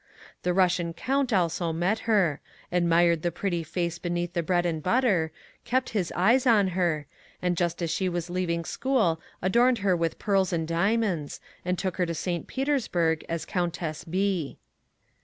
The Bussian count also met her ; admired the pretty face beneath the bread and butter ; kept his eyes on her; and just as she was leaving school adorned her with pearls and diamonds, and took her to St. Petersburg as Countess B.